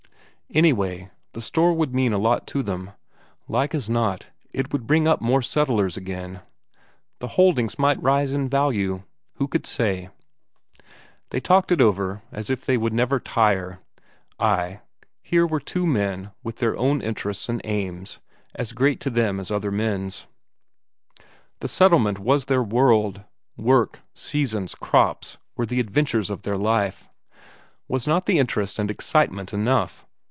Anyway, the store would mean a lot to them; like as not, it would bring up more settlers again. The holdings might rise in value who could say? They talked it over as if they would never tire. Ay, here were two men with their own interests and aims, as great to them as other men's. The settlement was their world; work, seasons, crops were the adventures of their life. Was not that interest and excitement enough?